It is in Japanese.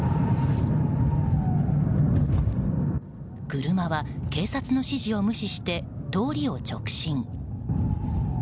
車は警察の指示を無視して通りを直進。